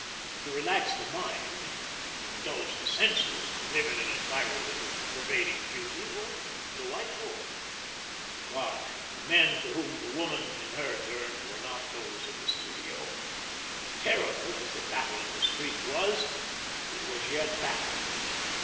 To relax the mind, to indulge the senses, to live in an environment of pervading beauty was delightful. But the men to whom the woman in her turned were not those of the studio. Terrible as the Battle of the Street was, it was yet battle.